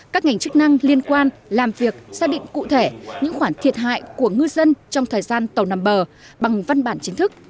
các ngành chức năng liên quan làm việc xác định cụ thể những khoản thiệt hại của ngư dân trong thời gian tàu nằm bờ bằng văn bản chính thức